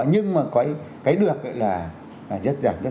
nhưng mà cái được là rất giảm rất nhiều tỷ lệ tử vong và không qua tải bệnh viện